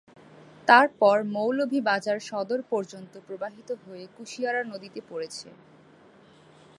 তারপর মৌলভীবাজার সদর পর্যন্ত প্রবাহিত হয়ে কুশিয়ারা নদীতে পড়েছে।